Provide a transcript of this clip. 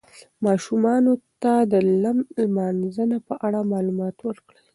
ماشومانو ته د لم لمانځه په اړه معلومات ورکړئ.